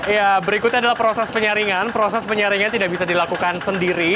ya berikutnya adalah proses penyaringan proses penyaringan tidak bisa dilakukan sendiri